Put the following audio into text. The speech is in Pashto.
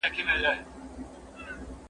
هر کتاب یو ځانګړی تاریخ لري.